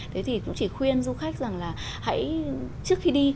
thế thì cũng chỉ khuyên du khách rằng là hãy trước khi đi